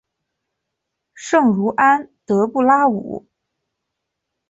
圣茹安德布拉武。